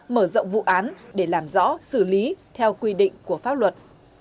mở rộng vụ án để làm rõ xử lý theo quy định của pháp luật